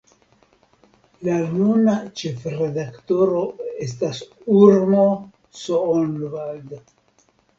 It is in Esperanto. La nuna ĉefredaktoro estas Urmo Soonvald.